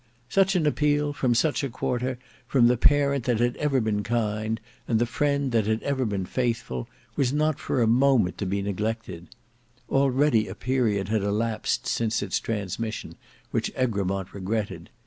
Such an appeal from such a quarter, from the parent that had ever been kind, and the friend that had been ever faithful, was not for a moment to be neglected. Already a period had elapsed since its transmission, which Egremont regretted.